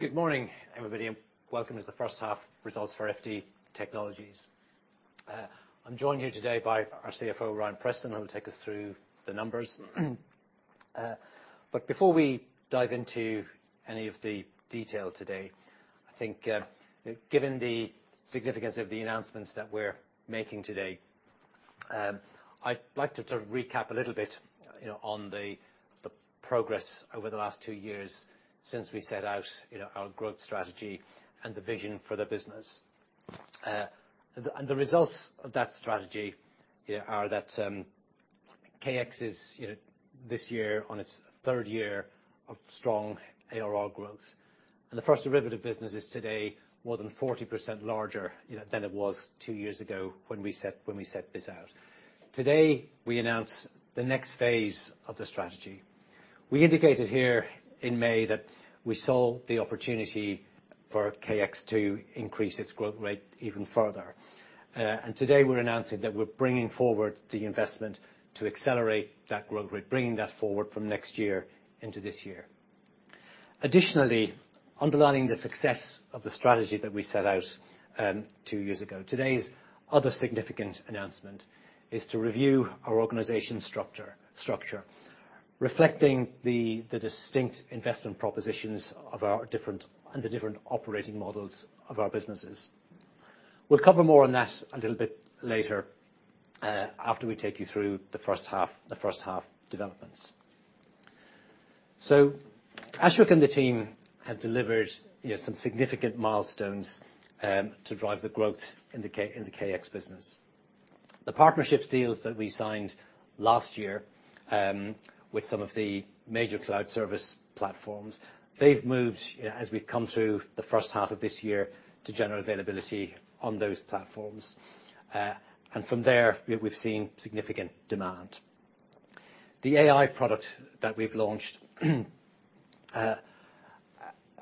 Good morning, everybody, and welcome to the first half results for FD Technologies. I'm joined here today by our CFO, Ryan Preston, who will take us through the numbers. But before we dive into any of the detail today, I think, given the significance of the announcements that we're making today, I'd like to recap a little bit, you know, on the progress over the last two years since we set out, you know, our growth strategy and the vision for the business. And the results of that strategy, you know, are that KX is, you know, this year on its third year of strong ARR growth, and the First Derivative business is today more than 40% larger, you know, than it was two years ago when we set this out. Today, we announce the next phase of the strategy. We indicated here in May that we saw the opportunity for KX to increase its growth rate even further. And today we're announcing that we're bringing forward the investment to accelerate that growth rate, bringing that forward from next year into this year. Additionally, underlining the success of the strategy that we set out two years ago, today's other significant announcement is to review our organization structure, reflecting the distinct investment propositions of our different and the different operating models of our businesses. We'll cover more on that a little bit later, after we take you through the first half, the first half developments. So Ashok and the team have delivered, you know, some significant milestones to drive the growth in the KX business. The partnerships deals that we signed last year with some of the major cloud service platforms, they've moved, as we've come through the first half of this year, to general availability on those platforms. And from there, we've seen significant demand. The AI product that we've launched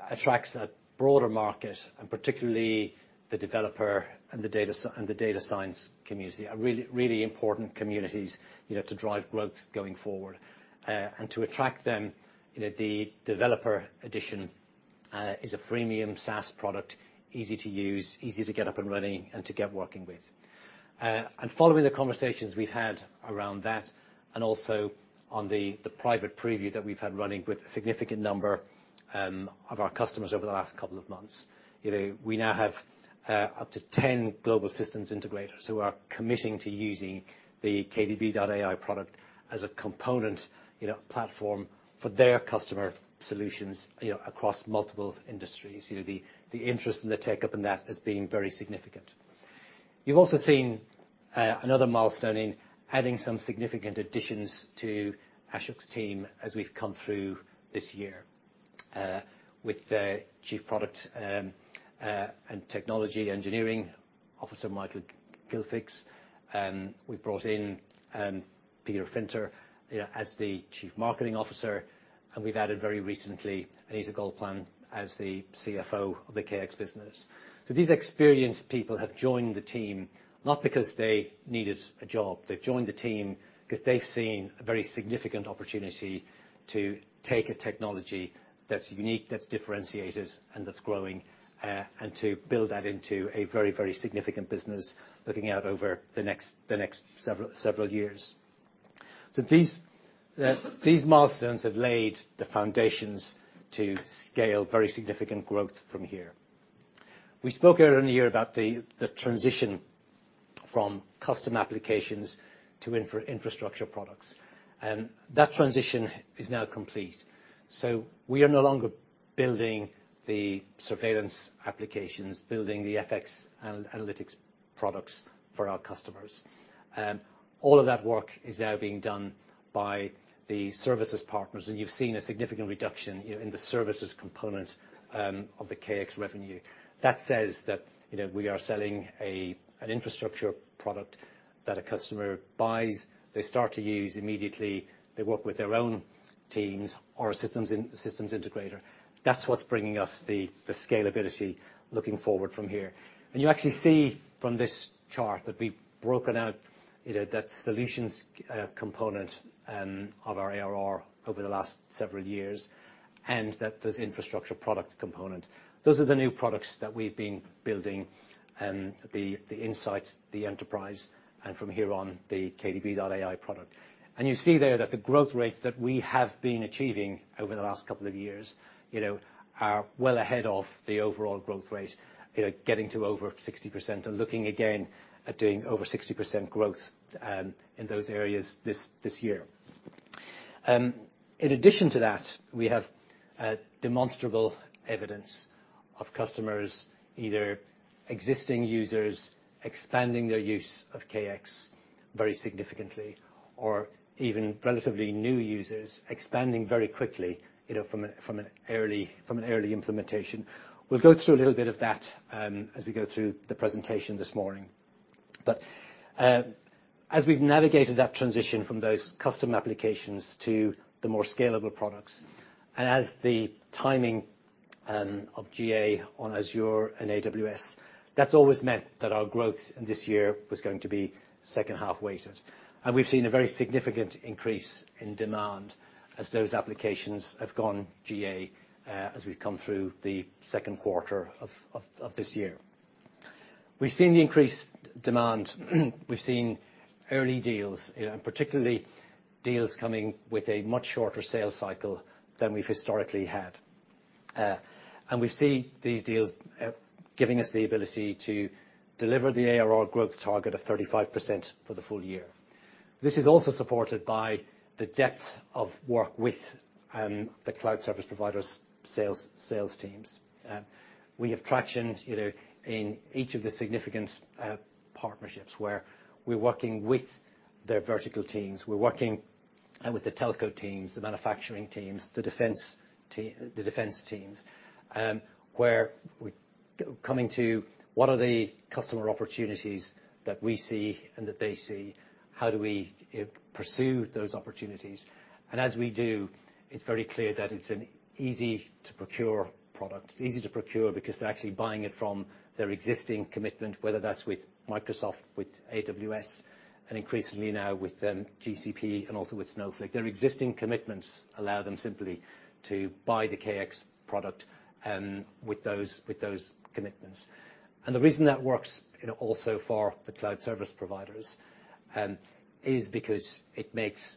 attracts a broader market, and particularly the developer and the data science community are really, really important communities, you know, to drive growth going forward. And to attract them, you know, the Developer Edition is a freemium SaaS product, easy to use, easy to get up and running and to get working with. And following the conversations we've had around that, and also on the private preview that we've had running with a significant number of our customers over the last couple of months, you know, we now have up to 10 global systems integrators who are committing to using the KDB.AI product as a component, you know, platform for their customer solutions, you know, across multiple industries. You know, the interest and the take-up in that has been very significant. You've also seen another milestone in adding some significant additions to Ashok's team as we've come through this year, with the Chief Product and Engineering Officer, Michael Gilfix. We've brought in Peter Finter, you know, as the Chief Marketing Officer, and we've added very recently, Saeed Minhas as the CFO of the KX business. So these experienced people have joined the team not because they needed a job. They've joined the team because they've seen a very significant opportunity to take a technology that's unique, that's differentiated, and that's growing, and to build that into a very, very significant business, looking out over the next several years. So these milestones have laid the foundations to scale very significant growth from here. We spoke earlier in the year about the transition from custom applications to infrastructure products, and that transition is now complete. So we are no longer building the surveillance applications, building the FX analytics products for our customers. All of that work is now being done by the services partners, and you've seen a significant reduction in the services component of the KX revenue. That says that, you know, we are selling an infrastructure product that a customer buys, they start to use immediately, they work with their own teams or a systems integrator. That's what's bringing us the scalability looking forward from here. And you actually see from this chart that we've broken out, you know, that solutions component of our ARR over the last several years, and that there's infrastructure product component. Those are the new products that we've been building, the Insights, the Enterprise, and from here on, the KDB.AI product. And you see there that the growth rates that we have been achieving over the last couple of years, you know, are well ahead of the overall growth rate, you know, getting to over 60% and looking again at doing over 60% growth in those areas this year. In addition to that, we have demonstrable evidence of customers, either existing users expanding their use of KX very significantly or even relatively new users expanding very quickly, you know, from an early implementation. We'll go through a little bit of that as we go through the presentation this morning. But as we've navigated that transition from those custom applications to the more scalable products, and as the timing of GA on Azure and AWS, that's always meant that our growth in this year was going to be second half weighted. And we've seen a very significant increase in demand as those applications have gone GA as we've come through the second quarter of this year. We've seen the increased demand. We've seen early deals, you know, and particularly deals coming with a much shorter sales cycle than we've historically had. And we see these deals giving us the ability to deliver the ARR growth target of 35% for the full year. This is also supported by the depth of work with the cloud service providers' sales teams. We have traction, you know, in each of the significant partnerships, where we're working with their vertical teams. We're working with the telco teams, the manufacturing teams, the defense teams, where coming to what are the customer opportunities that we see and that they see? How do we pursue those opportunities? And as we do, it's very clear that it's an easy-to-procure product. It's easy to procure because they're actually buying it from their existing commitment, whether that's with Microsoft, with AWS, and increasingly now with GCP and also with Snowflake. Their existing commitments allow them simply to buy the KX product with those, with those commitments. And the reason that works, you know, also for the cloud service providers is because it makes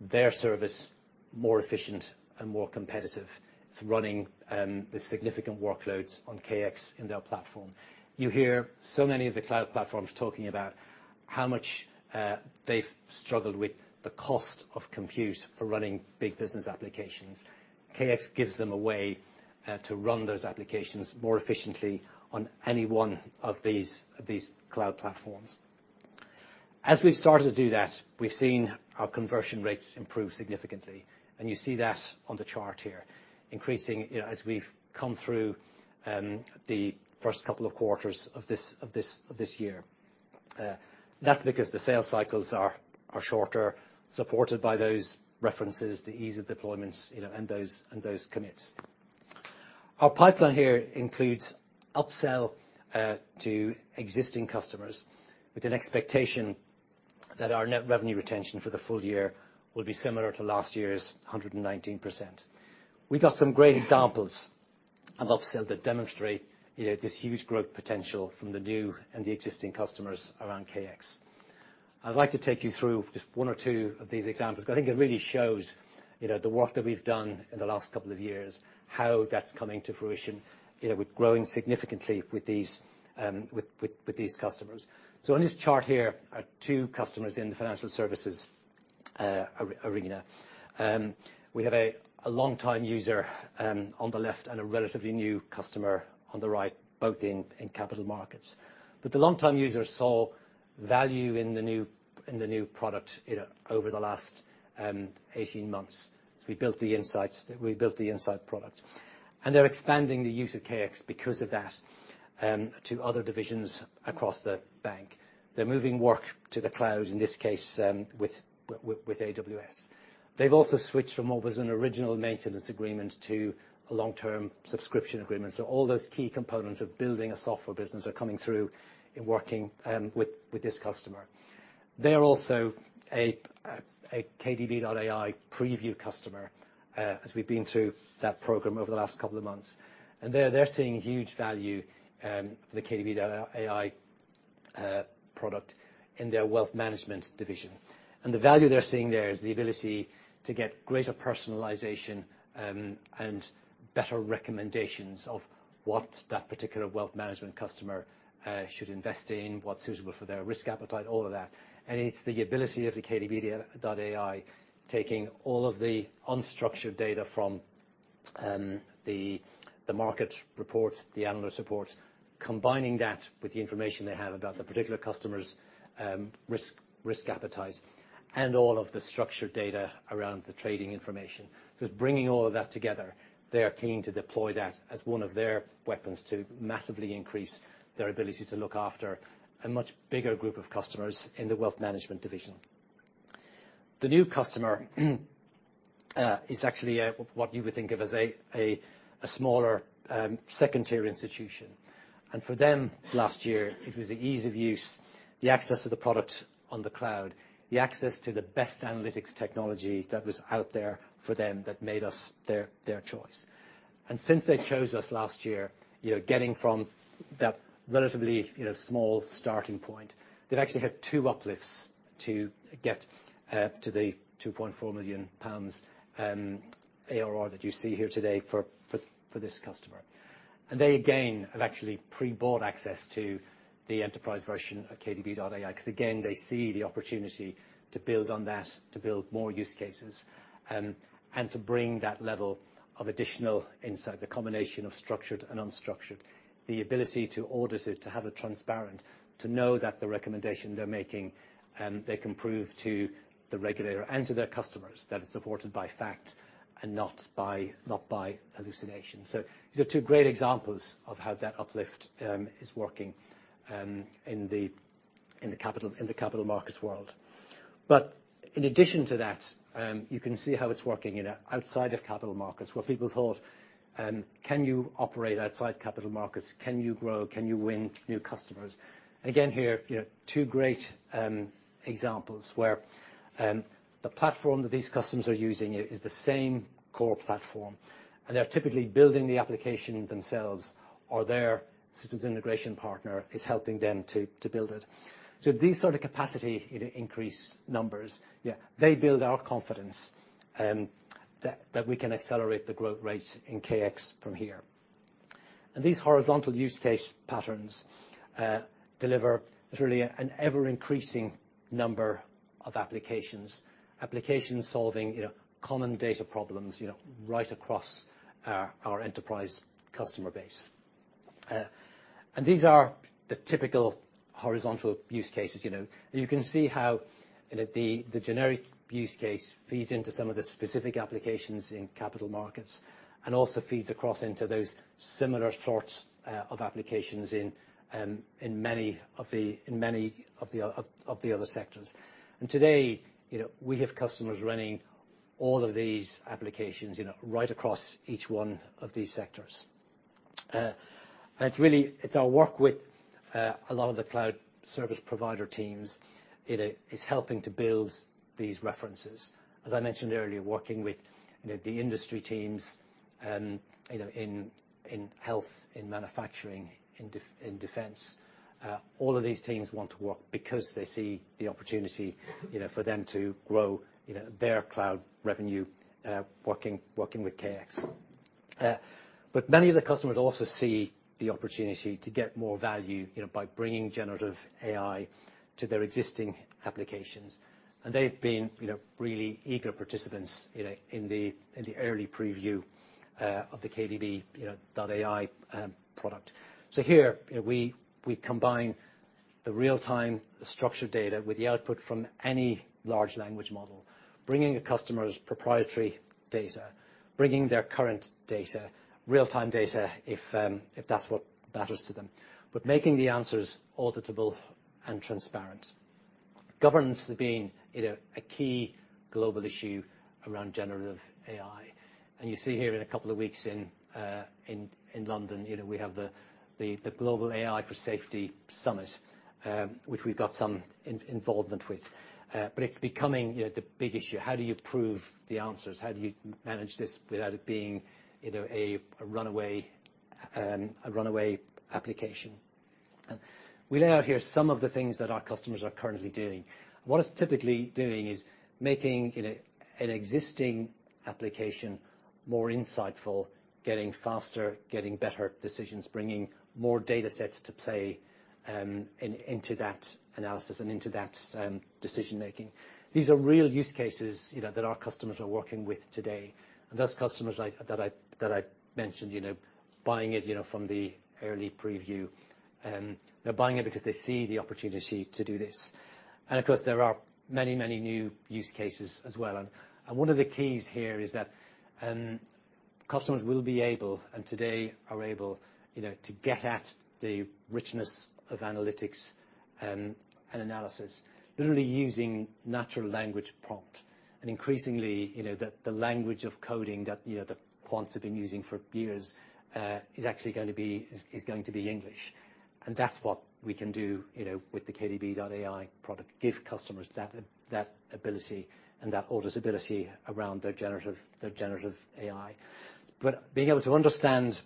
their service more efficient and more competitive for running the significant workloads on KX in their platform. You hear so many of the cloud platforms talking about how much they've struggled with the cost of compute for running big business applications. KX gives them a way to run those applications more efficiently on any one of these, these cloud platforms. As we've started to do that, we've seen our conversion rates improve significantly, and you see that on the chart here, increasing, you know, as we've come through the first couple of quarters of this year. That's because the sales cycles are shorter, supported by those references, the ease of deployments, you know, and those commits. Our pipeline here includes upsell to existing customers with an expectation that our net revenue retention for the full year will be similar to last year's 119%. We've got some great examples of upsell that demonstrate, you know, this huge growth potential from the new and the existing customers around KX. I'd like to take you through just one or two of these examples, because I think it really shows, you know, the work that we've done in the last couple of years, how that's coming to fruition. You know, we're growing significantly with these with these customers. So on this chart here are two customers in the financial services arena. We have a long-time user on the left and a relatively new customer on the right, both in capital markets. But the long-time user saw value in the new product, you know, over the last 18 months. So we built the insights, we built the insight product. And they're expanding the use of KX because of that to other divisions across the bank. They're moving work to the cloud, in this case, with AWS. They've also switched from what was an original maintenance agreement to a long-term subscription agreement. So all those key components of building a software business are coming through in working with this customer. They're also a KDB.AI preview customer, as we've been through that program over the last couple of months. And they're seeing huge value for the KDB.AI product in their wealth management division. And the value they're seeing there is the ability to get greater personalization and better recommendations of what that particular wealth management customer should invest in, what's suitable for their risk appetite, all of that. And it's the ability of the KDB.AI, taking all of the unstructured data from the market reports, the analyst reports, combining that with the information they have about the particular customer's risk appetite, and all of the structured data around the trading information. So it's bringing all of that together. They are keen to deploy that as one of their weapons to massively increase their ability to look after a much bigger group of customers in the wealth management division. The new customer is actually what you would think of as a smaller second-tier institution. And for them, last year, it was the ease of use, the access to the product on the cloud, the access to the best analytics technology that was out there for them that made us their choice. And since they chose us last year, you're getting from that relatively, you know, small starting point. They've actually had two uplifts to get to the 2.4 million pounds ARR that you see here today for this customer. And they, again, have actually pre-bought access to the Enterprise version of KDB.AI. Because again, they see the opportunity to build on that, to build more use cases, and to bring that level of additional insight, the combination of structured and unstructured. The ability to audit it, to have it transparent, to know that the recommendation they're making, they can prove to the regulator and to their customers that it's supported by fact and not by hallucination. So these are two great examples of how that uplift is working in the capital markets world. But in addition to that, you can see how it's working, you know, outside of capital markets, where people thought: can you operate outside capital markets? Can you grow? Can you win new customers?... Again, here, you know, two great examples where the platform that these customers are using is the same core platform, and they're typically building the application themselves or their systems integration partner is helping them to build it. So these are the capacity increase numbers. Yeah, they build our confidence that we can accelerate the growth rate in KX from here. And these horizontal use case patterns deliver literally an ever-increasing number of applications. Applications solving, you know, common data problems, you know, right across our enterprise customer base. And these are the typical horizontal use cases, you know. You can see how the generic use case feeds into some of the specific applications in capital markets and also feeds across into those similar sorts of applications in many of the other sectors. And today, you know, we have customers running all of these applications, you know, right across each one of these sectors. And it's really our work with a lot of the cloud service provider teams, it is helping to build these references. As I mentioned earlier, working with the industry teams, you know, in health, in manufacturing, in defense, all of these teams want to work because they see the opportunity, you know, for them to grow their cloud revenue, working with KX. But many of the customers also see the opportunity to get more value, you know, by bringing generative AI to their existing applications. And they've been, you know, really eager participants, you know, in the early preview of the KDB.AI product. So here, we combine the real-time structured data with the output from any large language model, bringing a customer's proprietary data, bringing their current data, real-time data, if that's what matters to them, but making the answers auditable and transparent. Governance being, you know, a key global issue around generative AI, and you see here in a couple of weeks in London, you know, we have the Global AI Safety Summit, which we've got some involvement with. But it's becoming, you know, the big issue. How do you prove the answers? How do you manage this without it being, you know, a runaway application? We lay out here some of the things that our customers are currently doing. What it's typically doing is making, you know, an existing application more insightful, getting faster, getting better decisions, bringing more data sets to play, into that analysis and into that decision making. These are real use cases, you know, that our customers are working with today, and those customers that I mentioned, you know, buying it from the early preview. They're buying it because they see the opportunity to do this. Of course, there are many, many new use cases as well. One of the keys here is that, customers will be able, and today are able, you know, to get at the richness of analytics and analysis, literally using natural language prompt. And increasingly, you know, the language of coding that, you know, the quants have been using for years, is actually going to be English. And that's what we can do, you know, with the KDB.AI product, give customers that ability and that auditability around their generative AI. But being able to understand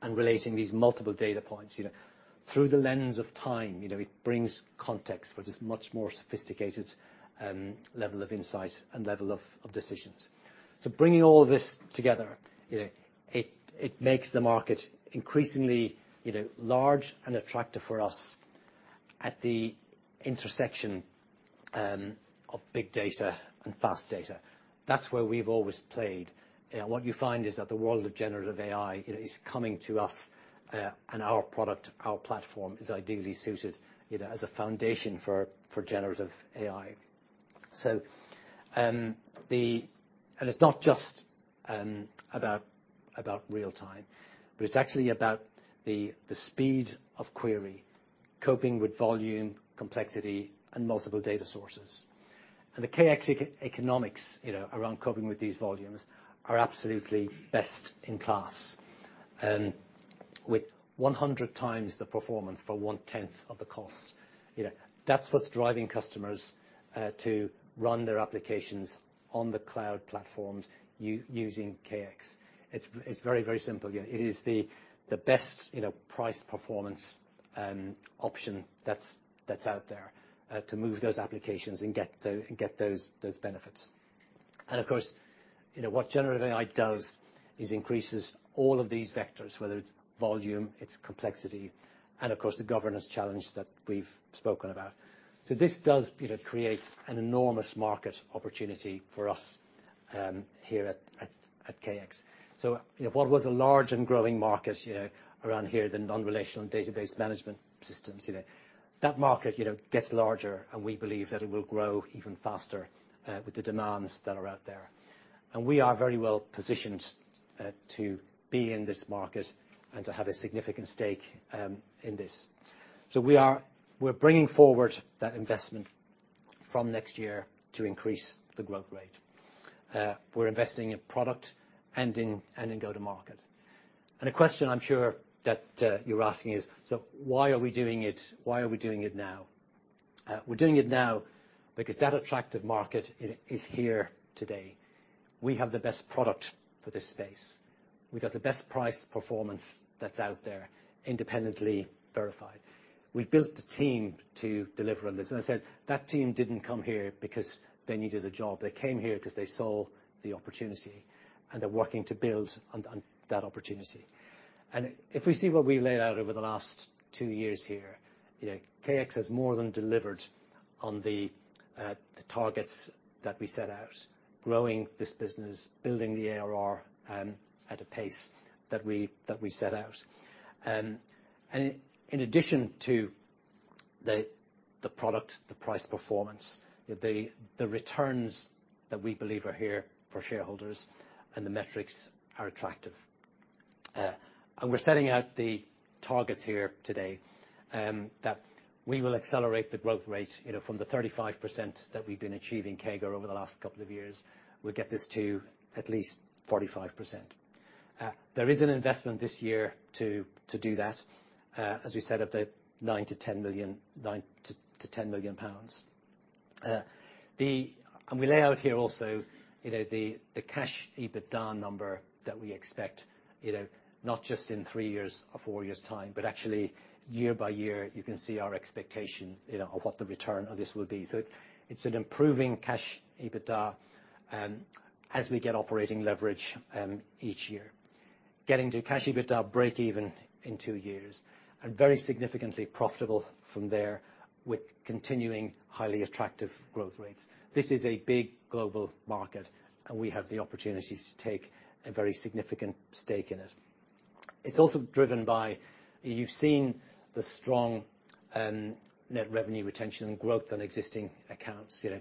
and relating these multiple data points, you know, through the lens of time, you know, it brings context for this much more sophisticated level of insight and level of decisions. So bringing all this together, you know, it makes the market increasingly, you know, large and attractive for us at the intersection of big data and fast data. That's where we've always played. What you find is that the world of generative AI, you know, is coming to us, and our product, our platform, is ideally suited, you know, as a foundation for generative AI. And it's not just about real time, but it's actually about the speed of query, coping with volume, complexity, and multiple data sources. And the KX economics, you know, around coping with these volumes are absolutely best in class, with 100 times the performance for 1/10 of the cost. You know, that's what's driving customers to run their applications on the cloud platforms using KX. It's very, very simple. You know, it is the best, you know, price, performance option that's out there to move those applications and get those benefits. And of course, you know, what generative AI does is increases all of these vectors, whether it's volume, it's complexity, and of course, the governance challenge that we've spoken about. So this does, you know, create an enormous market opportunity for us here at KX. So, you know, what was a large and growing market, you know, around here, the non-relational database management systems, you know, that market, you know, gets larger, and we believe that it will grow even faster with the demands that are out there. And we are very well positioned to be in this market and to have a significant stake in this. So we're bringing forward that investment from next year to increase the growth rate. We're investing in product and in go-to-market. And a question I'm sure that you're asking is, so why are we doing it? Why are we doing it now? We're doing it now because that attractive market is here today. We have the best product for this space. We've got the best price performance that's out there, independently verified. We've built the team to deliver on this, and I said that team didn't come here because they needed a job. They came here because they saw the opportunity, and they're working to build on that opportunity. If we see what we laid out over the last two years here, you know, KX has more than delivered on the targets that we set out, growing this business, building the ARR at a pace that we set out. In addition to the product, the price performance, the returns that we believe are here for shareholders and the metrics are attractive. We're setting out the targets here today that we will accelerate the growth rate, you know, from the 35% that we've been achieving CAGR over the last couple of years. We'll get this to at least 45%. There is an investment this year to do that, as we said, of the 9-10 million pounds, 9-10 million pounds. The and we lay out here also, you know, the cash EBITDA number that we expect, you know, not just in three years or four years' time, but actually year by year, you can see our expectation, you know, of what the return of this will be. So it's an improving cash EBITDA as we get operating leverage each year. Getting to cash EBITDA break even in two years, and very significantly profitable from there with continuing highly attractive growth rates. This is a big global market, and we have the opportunities to take a very significant stake in it. It's also driven by... You've seen the strong net revenue retention and growth on existing accounts. You know,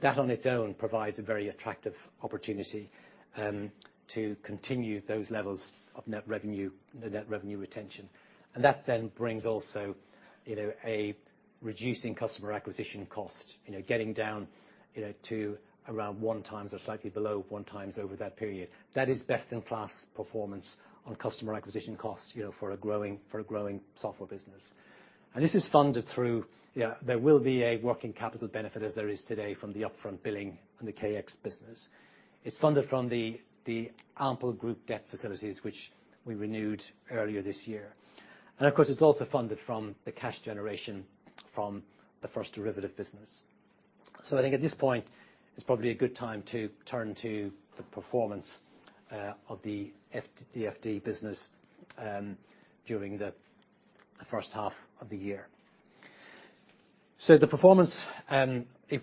that on its own provides a very attractive opportunity to continue those levels of net revenue, net revenue retention. And that then brings also, you know, a reducing customer acquisition cost, you know, getting down, you know, to around one times or slightly below one times over that period. That is best-in-class performance on customer acquisition costs, you know, for a growing software business. And this is funded through. Yeah, there will be a working capital benefit, as there is today, from the upfront billing and the KX business. It's funded from the Ample Group debt facilities, which we renewed earlier this year. And of course, it's also funded from the cash generation from the First Derivative business. So I think at this point, it's probably a good time to turn to the performance of the FD, the FD business during the first half of the year. The performance, it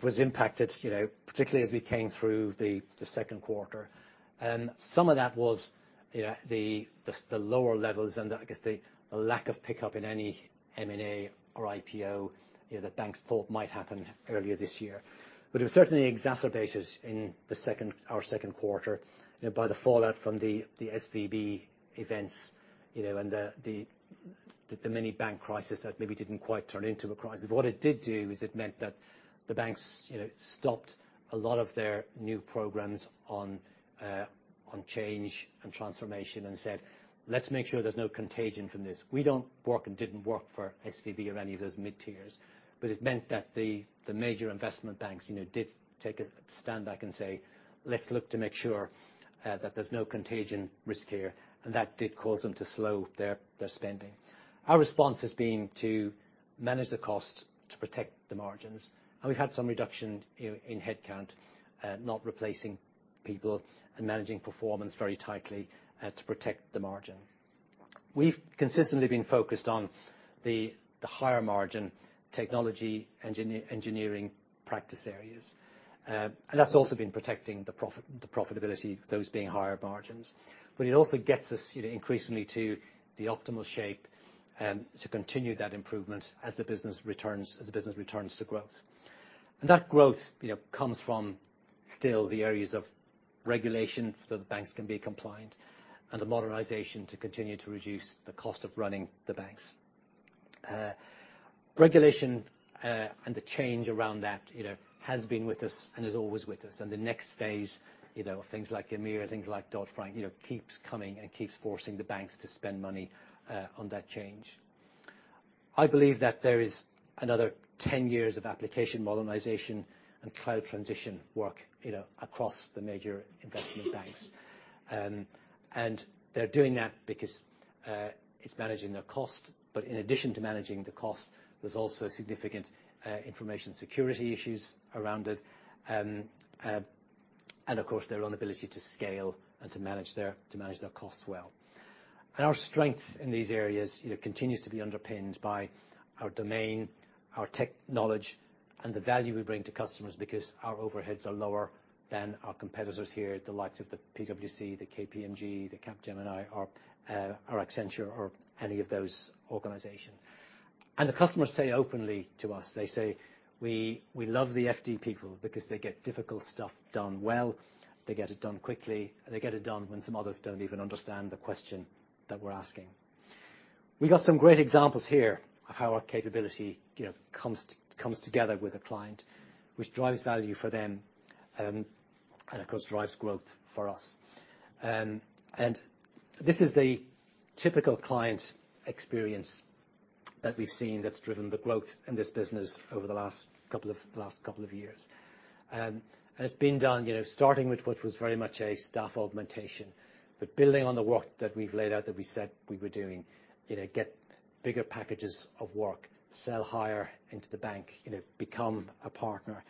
was impacted, you know, particularly as we came through the second quarter. Some of that was, you know, the lower levels and, I guess, the lack of pickup in any M&A or IPO, you know, the banks thought might happen earlier this year. But it was certainly exacerbated in our second quarter, you know, by the fallout from the SVB events, you know, and the mini bank crisis that maybe didn't quite turn into a crisis. But what it did do is it meant that the banks, you know, stopped a lot of their new programs on change and transformation and said, "Let's make sure there's no contagion from this." We don't work and didn't work for SVB or any of those mid-tiers, but it meant that the major investment banks, you know, did take a stand back and say, "Let's look to make sure that there's no contagion risk here." And that did cause them to slow their spending. Our response has been to manage the cost, to protect the margins, and we've had some reduction in headcount, not replacing people and managing performance very tightly to protect the margin. We've consistently been focused on the higher margin technology engineering practice areas, and that's also been protecting the profit, the profitability, those being higher margins. But it also gets us, you know, increasingly to the optimal shape, to continue that improvement as the business returns, as the business returns to growth. And that growth, you know, comes from still the areas of regulation, so the banks can be compliant, and the modernization to continue to reduce the cost of running the banks. Regulation, and the change around that, you know, has been with us and is always with us. And the next phase, you know, things like EMIR, things like Dodd-Frank, you know, keeps coming and keeps forcing the banks to spend money, on that change. I believe that there is another 10 years of application modernization and cloud transition work, you know, across the major investment banks. They're doing that because it's managing their cost, but in addition to managing the cost, there's also significant information security issues around it. And of course, their own ability to scale and to manage their costs well. And our strength in these areas, you know, continues to be underpinned by our domain, our tech knowledge, and the value we bring to customers, because our overheads are lower than our competitors here, the likes of the PwC, the KPMG, the Capgemini, or Accenture, or any of those organizations. The customers say openly to us, they say, "We, we love the FD people because they get difficult stuff done well, they get it done quickly, and they get it done when some others don't even understand the question that we're asking." We've got some great examples here of how our capability, you know, comes together with a client, which drives value for them, and of course, drives growth for us. And this is the typical client experience that we've seen that's driven the growth in this business over the last couple of, last couple of years. And it's been done, you know, starting with what was very much a staff augmentation, but building on the work that we've laid out, that we said we were doing. You know, get bigger packages of work, sell higher into the bank, you know, become a partner.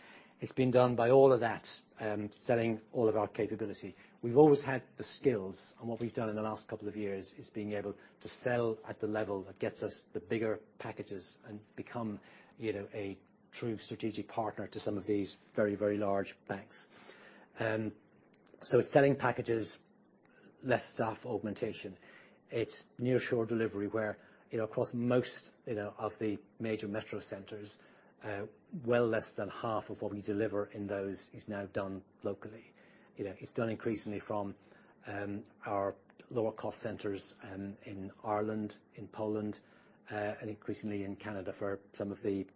It's been done by all of that, selling all of our capability. We've always had the skills, and what we've done in the last couple of years is being able to sell at the level that gets us the bigger packages and become, you know, a true strategic partner to some of these very, very large banks. So it's selling packages, less staff augmentation. It's nearshore delivery, where, you know, across most, you know, of the major metro centers, well less than half of what we deliver in those is now done locally. You know, it's done increasingly from our lower cost centers in Ireland, in Poland, and increasingly in Canada for some of the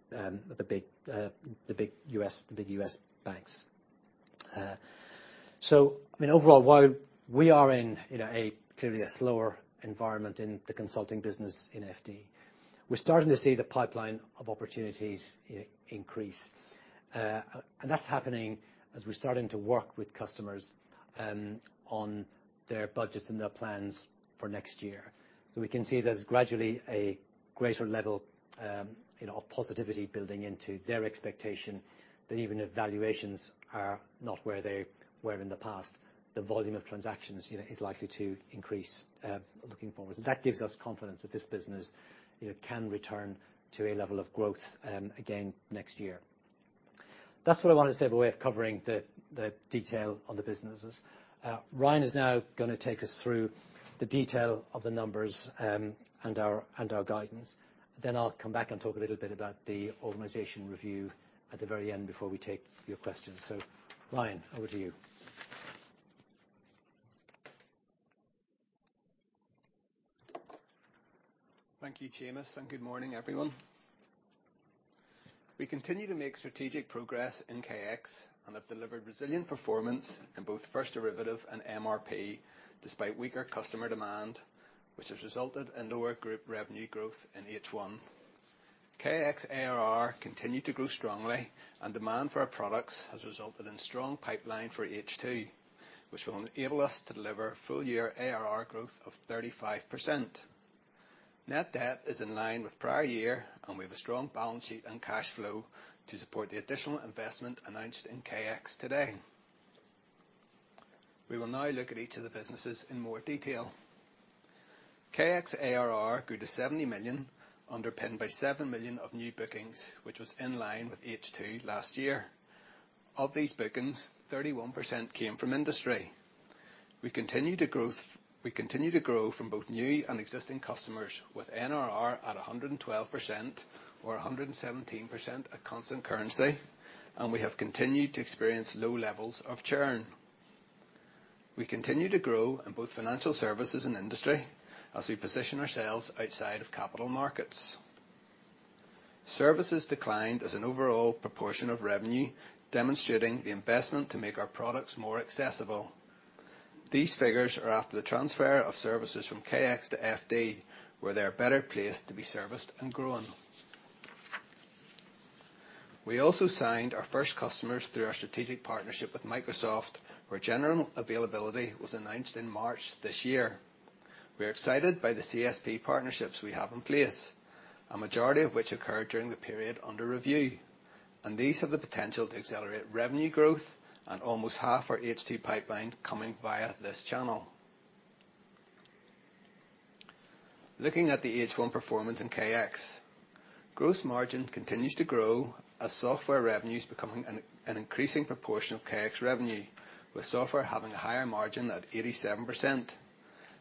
big U.S. banks. So I mean, overall, while we are in, you know, a clearly slower environment in the consulting business in FD, we're starting to see the pipeline of opportunities increase. And that's happening as we're starting to work with customers on their budgets and their plans for next year. So we can see there's gradually a greater level, you know, of positivity building into their expectation, that even if valuations are not where they were in the past, the volume of transactions, you know, is likely to increase looking forward. So that gives us confidence that this business, you know, can return to a level of growth again next year. That's what I wanted to say by way of covering the detail on the businesses. Ryan is now gonna take us through the detail of the numbers, and our, and our guidance. Then I'll come back and talk a little bit about the organization review at the very end, before we take your questions. So Ryan, over to you. Thank you, Seamus, and good morning, everyone. We continue to make strategic progress in KX and have delivered resilient performance in both First Derivative and MRP, despite weaker customer demand, which has resulted in lower group revenue growth in H1. KX ARR continued to grow strongly, and demand for our products has resulted in strong pipeline for H2, which will enable us to deliver full year ARR growth of 35%. Net debt is in line with prior year, and we have a strong balance sheet and cash flow to support the additional investment announced in KX today. We will now look at each of the businesses in more detail. KX ARR grew to 70 million, underpinned by 7 million of new bookings, which was in line with H2 last year. Of these bookings, 31% came from industry. We continue to grow from both new and existing customers, with NRR at 112%, or 117% at constant currency, and we have continued to experience low levels of churn. We continue to grow in both financial services and industry as we position ourselves outside of capital markets. Services declined as an overall proportion of revenue, demonstrating the investment to make our products more accessible. These figures are after the transfer of services from KX to FD, where they are better placed to be serviced and grown. We also signed our first customers through our strategic partnership with Microsoft, where general availability was announced in March this year. We are excited by the CSP partnerships we have in place, a majority of which occurred during the period under review, and these have the potential to accelerate revenue growth and almost half our H2 pipeline coming via this channel. Looking at the H1 performance in KX, gross margin continues to grow as software revenue is becoming an increasing proportion of KX revenue, with software having a higher margin at 87%.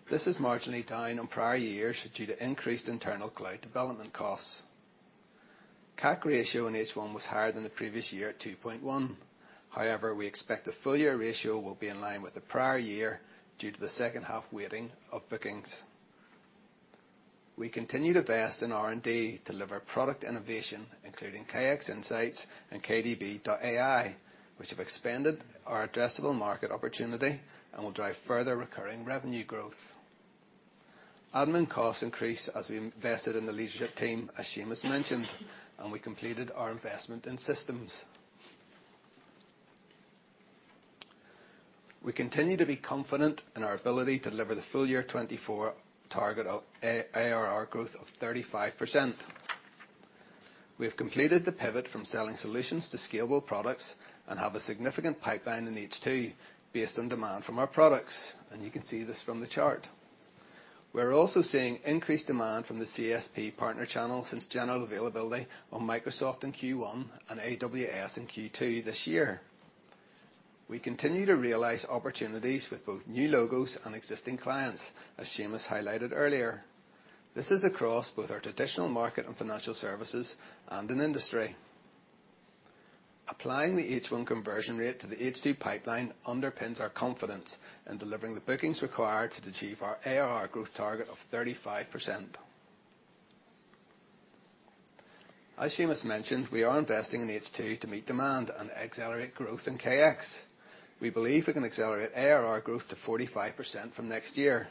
This is marginally down on prior years due to increased internal cloud development costs. CAC ratio in H1 was higher than the previous year at 2.1. However, we expect the full year ratio will be in line with the prior year due to the second half weighting of bookings. We continue to invest in R&D to deliver product innovation, including KX Insights and KDB.AI, which have expanded our addressable market opportunity and will drive further recurring revenue growth. Admin costs increased as we invested in the leadership team, as Seamus mentioned, and we completed our investment in systems. We continue to be confident in our ability to deliver the full year 2024 target of ARR growth of 35%. We have completed the pivot from selling solutions to scalable products and have a significant pipeline in H2 based on demand from our products, and you can see this from the chart. We're also seeing increased demand from the CSP partner channel since general availability on Microsoft in Q1 and AWS in Q2 this year. We continue to realize opportunities with both new logos and existing clients, as Seamus highlighted earlier. This is across both our traditional market and financial services and in industry. Applying the H1 conversion rate to the H2 pipeline underpins our confidence in delivering the bookings required to achieve our ARR growth target of 35%. As Seamus mentioned, we are investing in H2 to meet demand and accelerate growth in KX. We believe we can accelerate ARR growth to 45% from next year,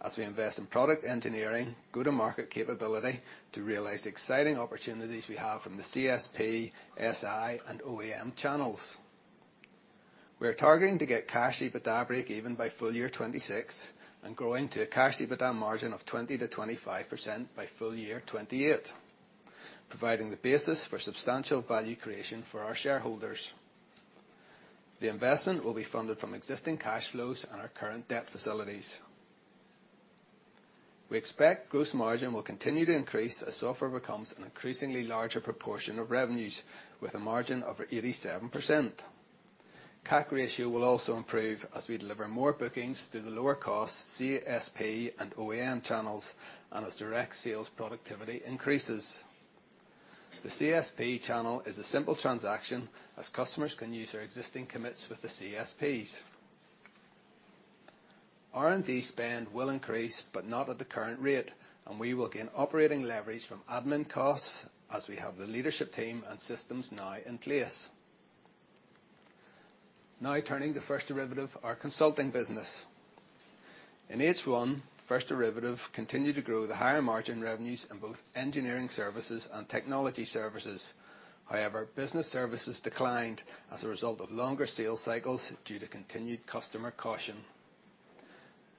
as we invest in product engineering, go-to-market capability to realize the exciting opportunities we have from the CSP, SI, and OEM channels. We are targeting to get Cash EBITDA break even by full year 2026, and growing to a Cash EBITDA margin of 20%-25% by full year 2028, providing the basis for substantial value creation for our shareholders. The investment will be funded from existing cash flows and our current debt facilities. We expect gross margin will continue to increase as software becomes an increasingly larger proportion of revenues, with a margin over 87%. CAC ratio will also improve as we deliver more bookings through the lower cost CSP and OEM channels, and as direct sales productivity increases. The CSP channel is a simple transaction, as customers can use their existing commits with the CSPs. R&D spend will increase, but not at the current rate, and we will gain operating leverage from admin costs as we have the leadership team and systems now in place. Now, turning to First Derivative, our consulting business. In H1, First Derivative continued to grow the higher margin revenues in both engineering services and technology services. However, business services declined as a result of longer sales cycles due to continued customer caution.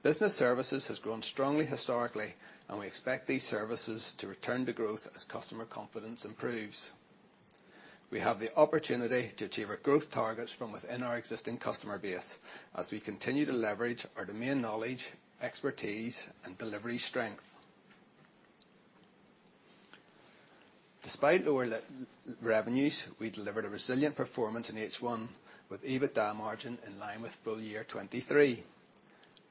Business services has grown strongly historically, and we expect these services to return to growth as customer confidence improves. We have the opportunity to achieve our growth targets from within our existing customer base, as we continue to leverage our domain knowledge, expertise, and delivery strength. Despite lower revenues, we delivered a resilient performance in H1, with EBITDA margin in line with full year 2023.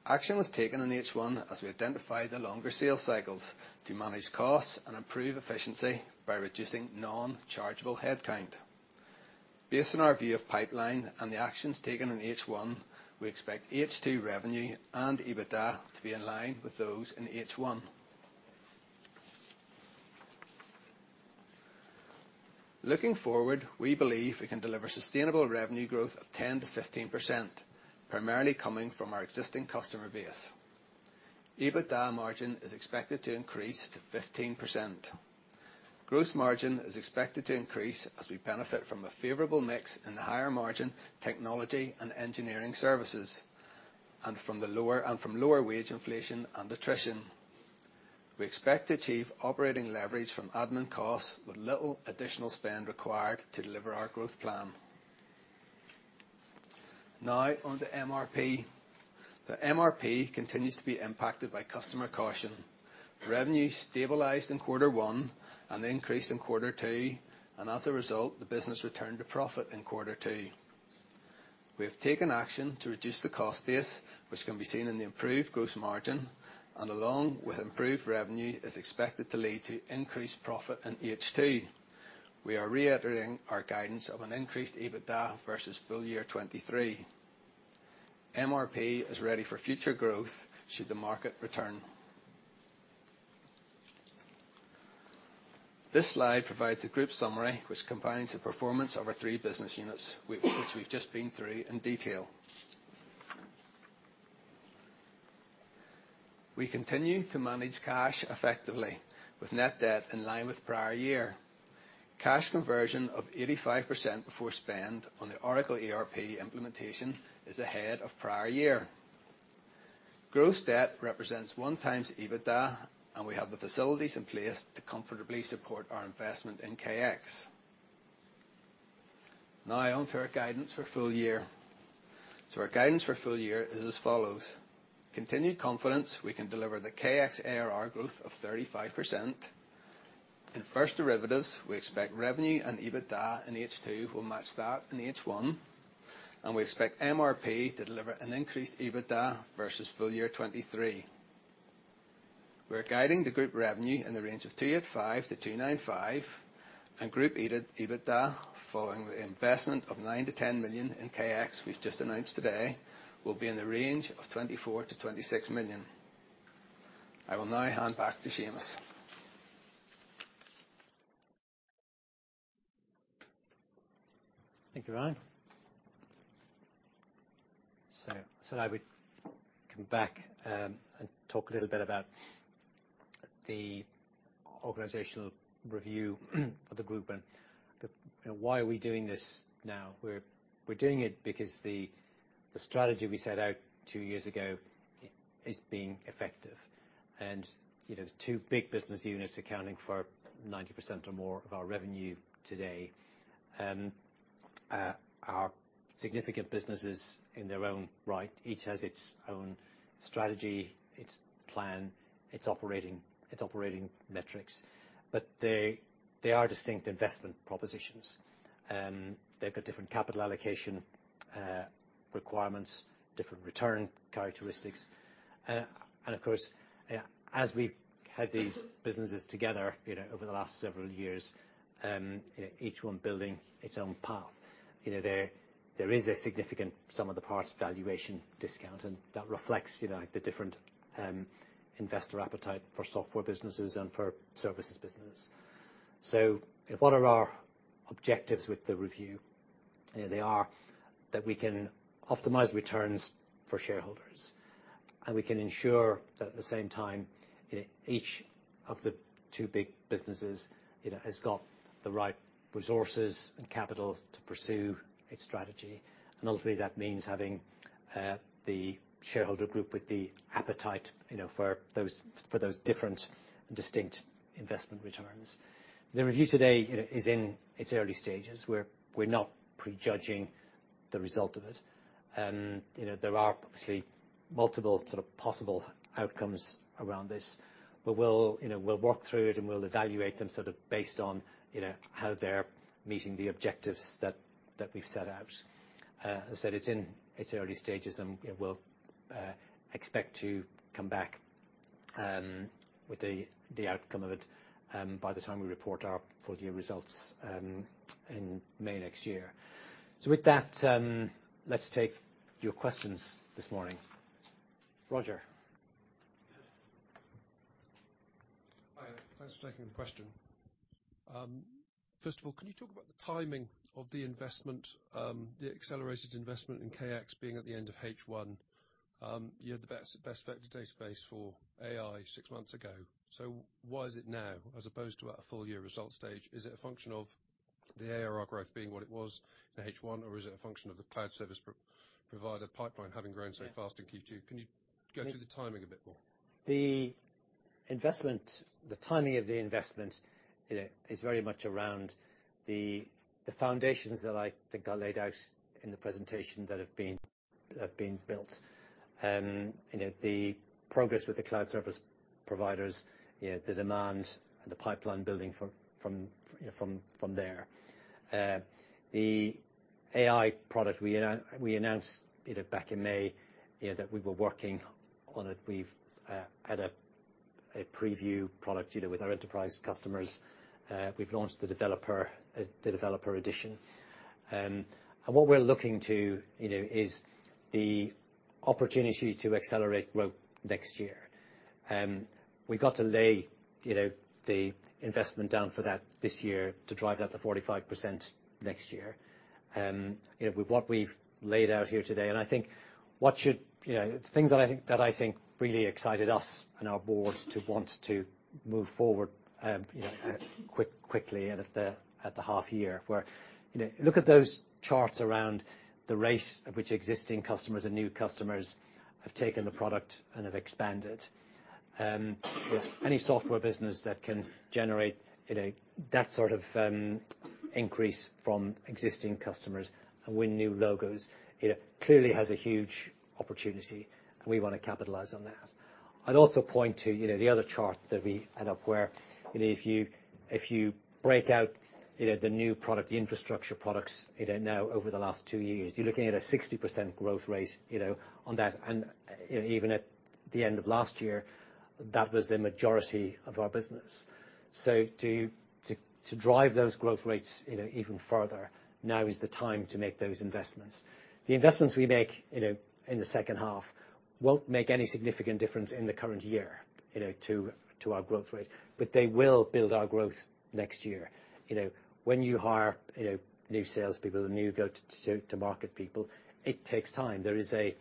Action was taken in H1 as we identified the longer sales cycles to manage costs and improve efficiency by reducing non-chargeable headcount. Based on our view of pipeline and the actions taken in H1, we expect H2 revenue and EBITDA to be in line with those in H1. Looking forward, we believe we can deliver sustainable revenue growth of 10%-15%, primarily coming from our existing customer base. EBITDA margin is expected to increase to 15%. Gross margin is expected to increase as we benefit from a favorable mix in the higher margin technology and engineering services, and from lower wage inflation and attrition. We expect to achieve operating leverage from admin costs with little additional spend required to deliver our growth plan. Now on to MRP. The MRP continues to be impacted by customer caution. Revenue stabilized in quarter one and increased in quarter two, and as a result, the business returned to profit in quarter two. We have taken action to reduce the cost base, which can be seen in the improved gross margin, and along with improved revenue, is expected to lead to increased profit in H2. We are reiterating our guidance of an increased EBITDA versus full year 2023. MRP is ready for future growth should the market return. This slide provides a group summary which combines the performance of our three business units, which we've just been through in detail. We continue to manage cash effectively, with net debt in line with prior year. Cash conversion of 85% before spend on the Oracle ERP implementation is ahead of prior year. Gross debt represents 1x EBITDA, and we have the facilities in place to comfortably support our investment in KX. Now on to our guidance for full year. So our guidance for full year is as follows: Continued confidence we can deliver the KX ARR growth of 35%. In First Derivative, we expect revenue and EBITDA in H2 will match that in H1, and we expect MRP to deliver an increased EBITDA versus full year 2023. We're guiding the group revenue in the range of 285 million-295 million, and group EBITDA, following the investment of 9-10 million in KX, we've just announced today, will be in the range of 24-26 million. I will now hand back to Seamus. Thank you, Ryan. So, I said I would come back and talk a little bit about the organizational review of the group and the, you know, why are we doing this now? We're doing it because the strategy we set out two years ago is being effective. And, you know, the two big business units accounting for 90% or more of our revenue today are significant businesses in their own right. Each has its own strategy, its plan, its operating metrics, but they are distinct investment propositions. They've got different capital allocation requirements, different return characteristics. And of course, as we've had these businesses together, you know, over the last several years, each one building its own path, you know, there is a significant sum of the parts valuation discount, and that reflects, you know, the different investor appetite for software businesses and for services business. So what are our objectives with the review? They are that we can optimize returns for shareholders, and we can ensure that at the same time, each of the two big businesses, you know, has got the right resources and capital to pursue its strategy. And ultimately, that means having the shareholder group with the appetite, you know, for those different and distinct investment returns. The review today, you know, is in its early stages; we're not pre-judging the result of it. You know, there are obviously multiple sort of possible outcomes around this, but we'll, you know, we'll work through it and we'll evaluate them sort of based on, you know, how they're meeting the objectives that, that we've set out. I said it's in its early stages, and we'll expect to come back with the, the outcome of it by the time we report our full year results in May next year. So with that, let's take your questions this morning. Roger? Hi, thanks for taking the question. First of all, can you talk about the timing of the investment, the accelerated investment in KX being at the end of H1? You had the best vector database for AI six months ago. So why is it now, as opposed to at a full year result stage? Is it a function of the ARR growth being what it was in H1, or is it a function of the cloud service provider pipeline having grown so fast in Q2? Can you go through the timing a bit more? The investment—the timing of the investment, you know, is very much around the foundations that I think I laid out in the presentation that have been built. You know, the progress with the cloud service providers, you know, the demand and the pipeline building from there. The AI product we announced back in May, you know, that we were working on it. We've had a preview product, you know, with our Enterprise customers. We've launched the Developer Edition. And what we're looking to, you know, is the opportunity to accelerate growth next year. We've got to lay, you know, the investment down for that this year to drive that to 45% next year. You know, with what we've laid out here today, and I think what should... You know, the things that I think really excited us and our board to want to move forward, you know, quickly and at the half year, where, you know, look at those charts around the rate at which existing customers and new customers have taken the product and have expanded. Any software business that can generate, you know, that sort of increase from existing customers and win new logos, it clearly has a huge opportunity, and we want to capitalize on that. I'd also point to, you know, the other chart that we had up where, you know, if you, if you break out, you know, the new product, the infrastructure products, you know, now over the last two years, you're looking at a 60% growth rate, you know, on that, and, you know, even at the end of last year, that was the majority of our business. So to, to, to drive those growth rates, you know, even further, now is the time to make those investments. The investments we make, you know, in the second half won't make any significant difference in the current year, you know, to, to our growth rate, but they will build our growth next year. You know, when you hire, you know, new salespeople and new go-to, to market people, it takes time. There is a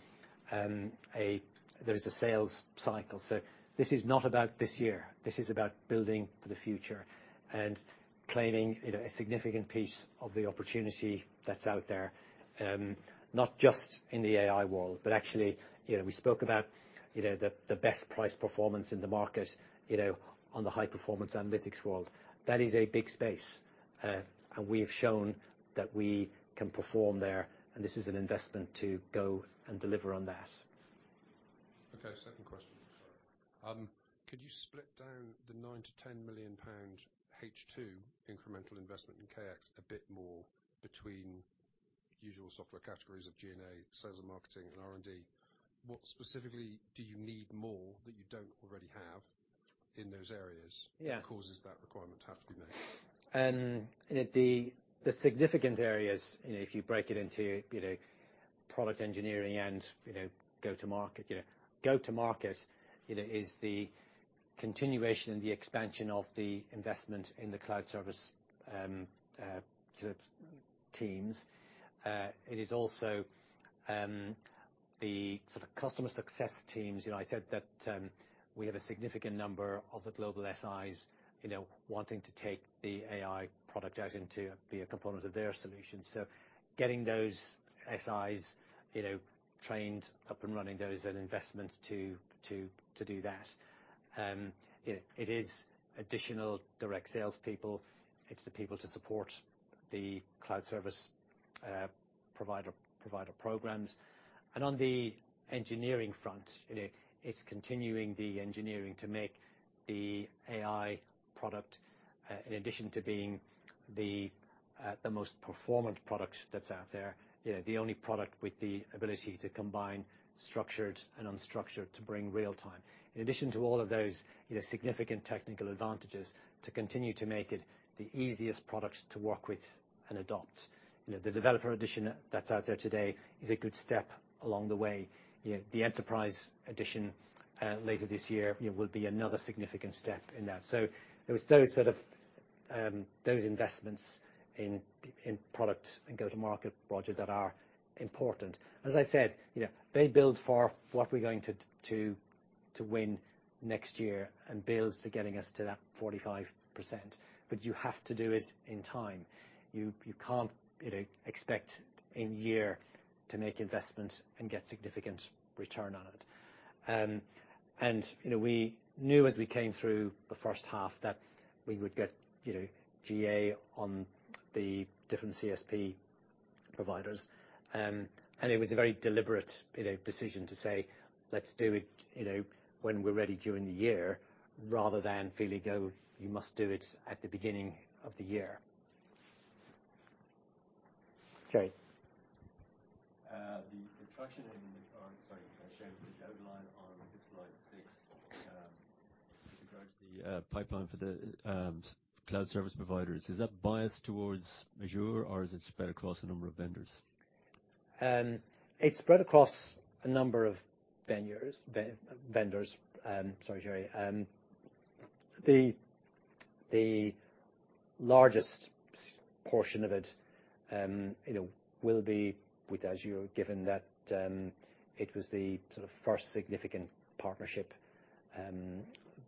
sales cycle. So this is not about this year, this is about building for the future and claiming, you know, a significant piece of the opportunity that's out there. Not just in the AI world, but actually, you know, we spoke about, you know, the best price performance in the market, you know, on the high-performance analytics world. That is a big space, and we have shown that we can perform there, and this is an investment to go and deliver on that. Okay, second question. Could you split down the 9 million-10 million pound H2 incremental investment in KX a bit more between usual software categories of G&A, sales and marketing, and R&D? What specifically do you need more that you don't already have in those areas... Yeah.... that causes that requirement to have to be made? The significant areas, you know, if you break it into, you know, product engineering and, you know, go-to-market. You know, go-to-market, you know, is the continuation and the expansion of the investment in the cloud service teams. It is also the sort of customer success teams. You know, I said that we have a significant number of the global SIs, you know, wanting to take the AI product out into be a component of their solution. So getting those SIs, you know, trained, up and running, there is an investment to do that. You know, it is additional direct sales people. It's the people to support the cloud service provider programs. And on the engineering front, you know, it's continuing the engineering to make the AI product-... In addition to being the most performant product that's out there, you know, the only product with the ability to combine structured and unstructured to bring real time. In addition to all of those, you know, significant technical advantages, to continue to make it the easiest product to work with and adopt. You know, the Developer Edition that's out there today is a good step along the way. Yet, the Enterprise Edition later this year, you know, will be another significant step in that. So there was those sort of those investments in product and go-to-market projects that are important. As I said, you know, they build for what we're going to to win next year and builds to getting us to that 45%. But you have to do it in time. You can't, you know, expect in year to make investments and get significant return on it. And, you know, we knew as we came through the first half that we would get, you know, GA on the different CSP providers. And it was a very deliberate, you know, decision to say, "Let's do it, you know, when we're ready during the year," rather than feeling, oh, you must do it at the beginning of the year. Gerry? Sorry, Shane, the outline on slide 6 regards the pipeline for the cloud service providers. Is that biased towards Azure, or is it spread across a number of vendors? It's spread across a number of vendors, sorry, Gerry. The largest portion of it, you know, will be with Azure, given that it was the sort of first significant partnership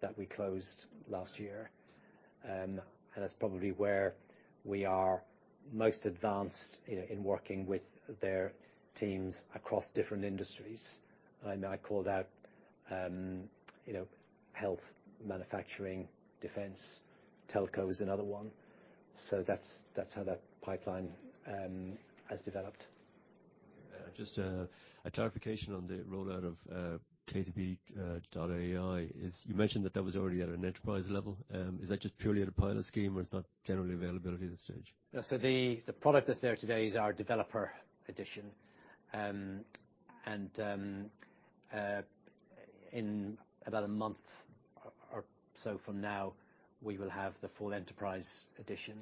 that we closed last year. And that's probably where we are most advanced, you know, in working with their teams across different industries. And I know I called out, you know, health, manufacturing, defense. Telco is another one. So that's how that pipeline has developed. Just a clarification on the rollout of KDB.AI. You mentioned that that was already at an enterprise level. Is that just purely at a pilot scheme, or it's not generally available at this stage? So the product that's there today is our Developer Edition. And in about a month or so from now, we will have the full Enterprise Edition.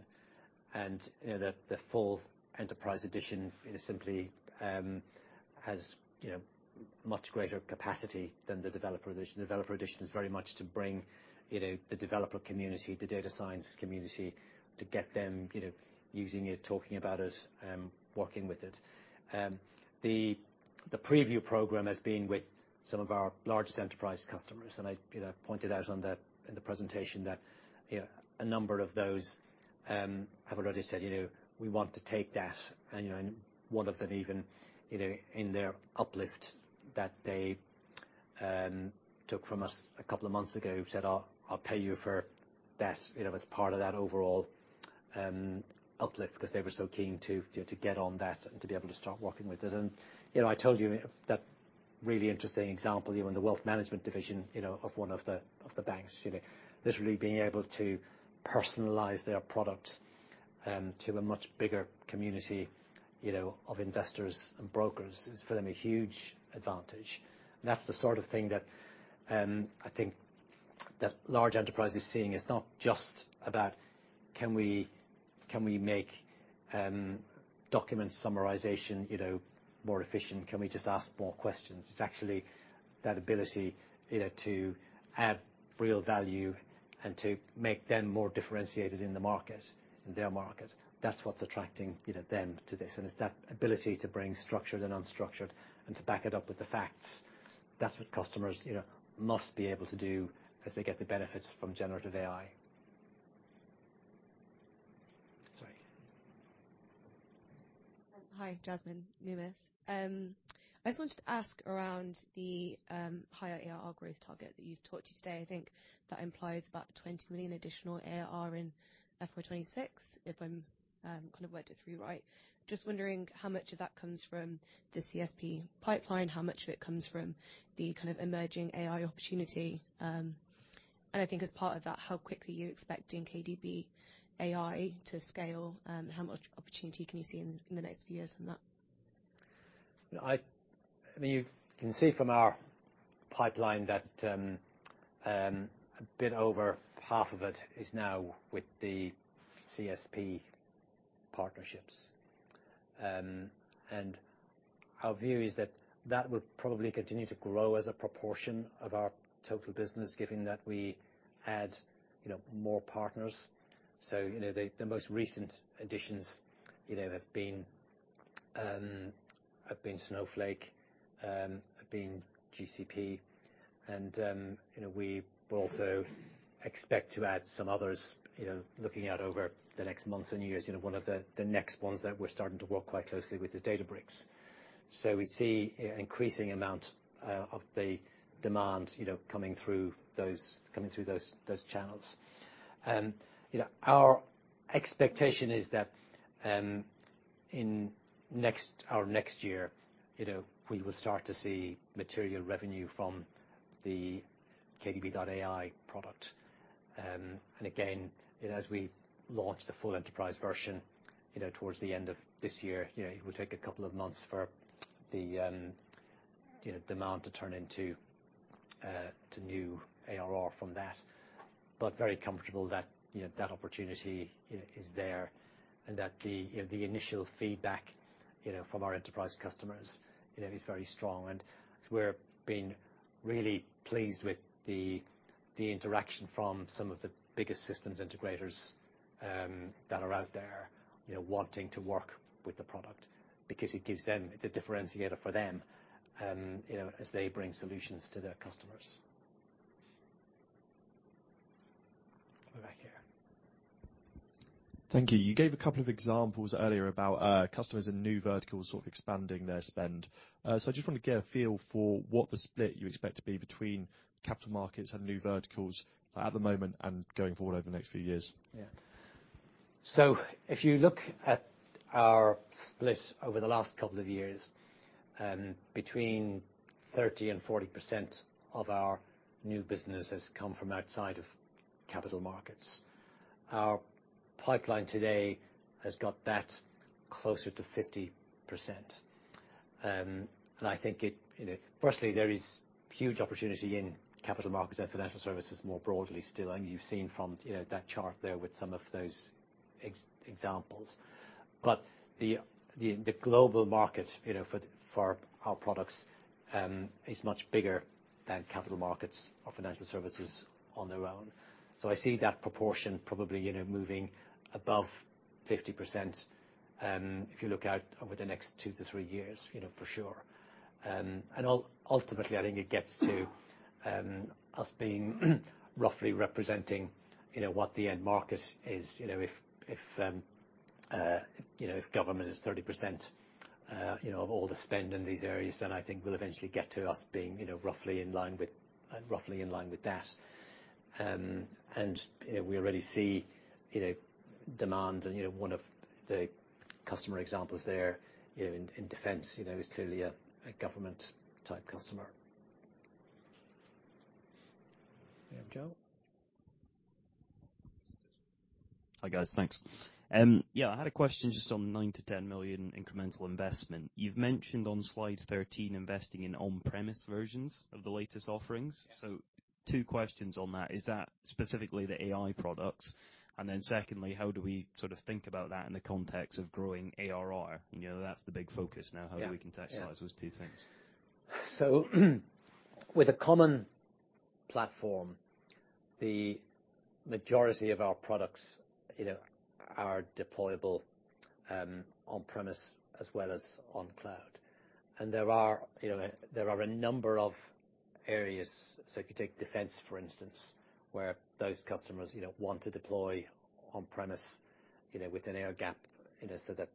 And you know, the full Enterprise Edition, you know, simply has you know, much greater capacity than the Developer Edition. The Developer Edition is very much to bring you know, the developer community, the data Science community, to get them you know, using it, talking about it, working with it. The preview program has been with some of our largest Enterprise customers, and I, you know, pointed out in the presentation that, you know, a number of those have already said, "You know, we want to take that." And you know, one of them even, you know, in their uplift that they took from us a couple of months ago, said, "I'll pay you for that," you know, as part of that overall uplift, because they were so keen to get on that and to be able to start working with it. And you know, I told you that really interesting example, you know, in the wealth management division, you know, of one of the banks, you know. Literally being able to personalize their product to a much bigger community, you know, of investors and brokers is, for them, a huge advantage. And that's the sort of thing that I think that large Enterprise is seeing. It's not just about, can we, can we make document summarization, you know, more efficient? Can we just ask more questions? It's actually that ability, you know, to add real value and to make them more differentiated in the market, in their market. That's what's attracting, you know, them to this, and it's that ability to bring structured and unstructured and to back it up with the facts. That's what customers, you know, must be able to do as they get the benefits from generative AI. Sorry. Hi, Jasmine, Numis. I just wanted to ask around the higher ARR growth target that you've talked to today. I think that implies about 20 million additional ARR in FY 2026, if I'm kind of worked it through right. Just wondering how much of that comes from the CSP pipeline, how much of it comes from the kind of emerging AI opportunity? And I think as part of that, how quickly are you expecting KDB.AI to scale, and how much opportunity can you see in the next few years from that? I mean, you can see from our pipeline that a bit over half of it is now with the CSP partnerships. And our view is that that will probably continue to grow as a proportion of our total business, given that we add, you know, more partners. So, you know, the most recent additions, you know, have been Snowflake, have been GCP, and, you know, we will also expect to add some others, you know, looking out over the next months and years. You know, one of the next ones that we're starting to work quite closely with is Databricks. So we see an increasing amount of the demand, you know, coming through those channels. You know, our-... Expectation is that, in our next year, you know, we will start to see material revenue from the KDB.AI product. And again, as we launch the full Enterprise version, you know, towards the end of this year, you know, it will take a couple of months for the, you know, demand to turn into to new ARR from that. But very comfortable that, you know, that opportunity, you know, is there, and that the, you know, the initial feedback, you know, from our Enterprise customers, you know, is very strong. And so we're being really pleased with the interaction from some of the biggest systems integrators that are out there, you know, wanting to work with the product because it gives them—it's a differentiator for them, you know, as they bring solutions to their customers. Back here. Thank you. You gave a couple of examples earlier about customers and new verticals sort of expanding their spend. So I just want to get a feel for what the split you expect to be between capital markets and new verticals at the moment and going forward over the next few years? Yeah. So if you look at our split over the last couple of years, between 30% and 40% of our new business has come from outside of capital markets. Our pipeline today has got that closer to 50%. And I think it, you know, firstly, there is huge opportunity in capital markets and financial services more broadly still. And you've seen from, you know, that chart there with some of those examples. But the global market, you know, for our products, is much bigger than capital markets or financial services on their own. So I see that proportion probably, you know, moving above 50%, if you look out over the next 2-3 years, you know, for sure. And ultimately, I think it gets to, us being roughly representing, you know, what the end market is. You know, if government is 30% of all the spend in these areas, then I think we'll eventually get to us being, you know, roughly in line with, roughly in line with that. And, you know, we already see, you know, demand and, you know, one of the customer examples there, you know, in defense, you know, is clearly a government-type customer. We have Joe. Hi, guys. Thanks. Yeah, I had a question just on 9-10 million incremental investment. You've mentioned on slide 13, investing in on-premise versions of the latest offerings. Yeah. So two questions on that: Is that specifically the AI products? And then secondly, how do we sort of think about that in the context of growing ARR? You know, that's the big focus now- Yeah. How do we contextualize those two things? With a common platform, the majority of our products, you know, are deployable on-premise as well as on cloud. There are, you know, there are a number of areas. If you take defense, for instance, where those customers, you know, want to deploy on-premise, you know, with an air gap, you know, so that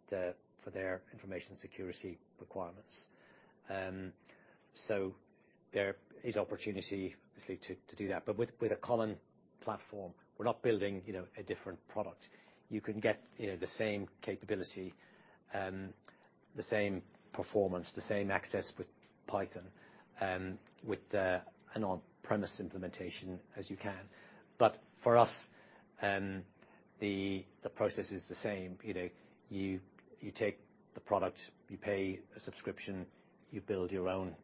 for their information security requirements. There is opportunity, obviously, to do that. But with a common platform, we're not building, you know, a different product. You can get, you know, the same capability, the same performance, the same access with Python, with an on-premise implementation as you can. But for us, the process is the same. You know, you take the product, you pay a subscription, you build your own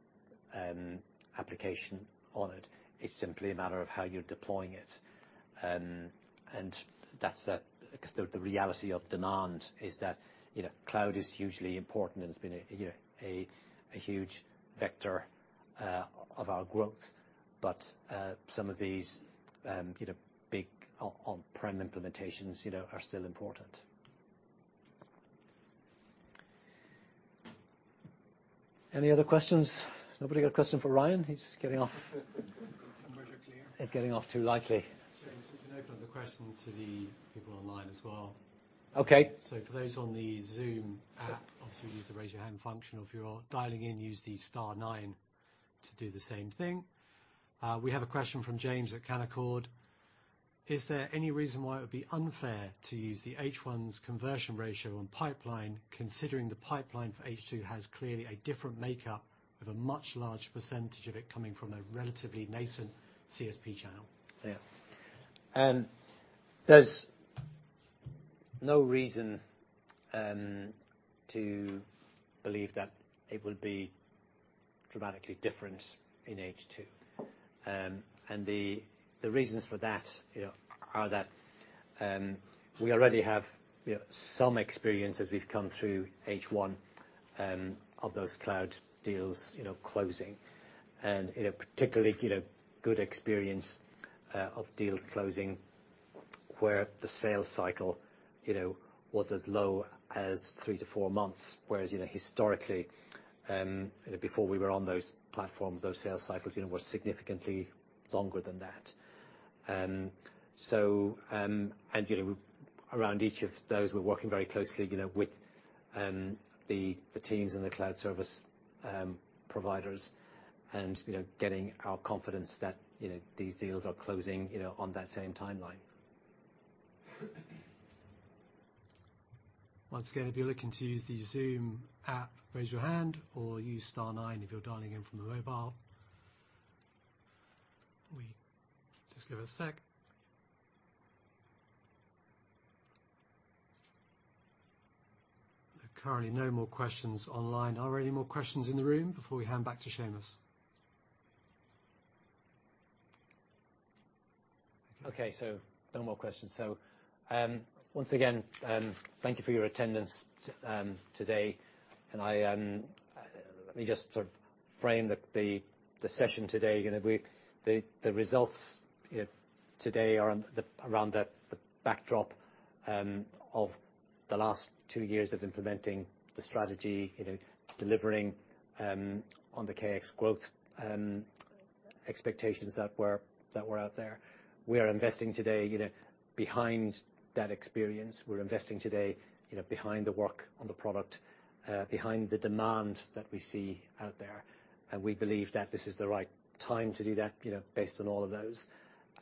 application on it. It's simply a matter of how you're deploying it. And that's the, 'cause the reality of demand is that, you know, cloud is hugely important, and it's been a, you know, a huge vector of our growth. But some of these, you know, big on-prem implementations, you know, are still important. Any other questions? Nobody got a question for Ryan? He's getting off, he's getting off too lightly. Seamus, we can open up the question to the people online as well. Okay. So for those on the Zoom app, obviously, use the Raise Your Hand function, or if you're dialing in, use the star nine to do the same thing. We have a question from James at Canaccord: Is there any reason why it would be unfair to use the H1's conversion ratio on pipeline, considering the pipeline for H2 has clearly a different makeup, with a much larger percentage of it coming from a relatively nascent CSP channel? Yeah. There's no reason to believe that it would be dramatically different in H2. And the reasons for that, you know, are that we already have, you know, some experience as we've come through H1 of those cloud deals, you know, closing. And in a particularly, you know, good experience of deals closing, where the sales cycle, you know, was as low as three to four months. Whereas, you know, historically, you know, before we were on those platforms, those sales cycles, you know, were significantly longer than that. So, and, you know, around each of those, we're working very closely, you know, with the teams and the cloud service providers and, you know, getting our confidence that, you know, these deals are closing, you know, on that same timeline. Once again, if you're looking to use the Zoom app, raise your hand, or use star nine if you're dialing in from a mobile. Just give it a sec. There are currently no more questions online. Are there any more questions in the room before we hand back to Seamus? Okay, so no more questions. So, once again, thank you for your attendance today, and I... Let me just sort of frame the session today. You know, the results today are around the backdrop of the last two years of implementing the strategy, you know, delivering on the KX growth expectations that were out there. We are investing today, you know, behind that experience. We're investing today, you know, behind the work on the product, behind the demand that we see out there, and we believe that this is the right time to do that, you know, based on all of those.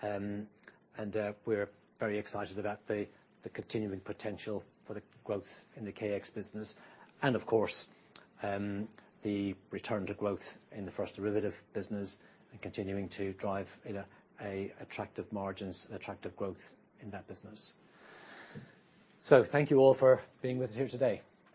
And we're very excited about the continuing potential for the growth in the KX business and, of course, the return to growth in the First Derivative business and continuing to drive, you know, an attractive margins, attractive growth in that business. So thank you all for being with us here today.